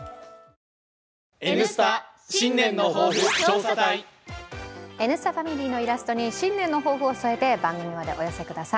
「Ｎスタ」ファミリーのイラストに新年の抱負を添えて番組までお寄せください。